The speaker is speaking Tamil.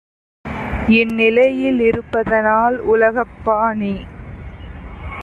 இந்நிலையி லிருப்பதனால் உலகப்பாநீ